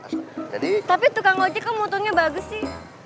tapi tukang ojek ke motornya bagus sih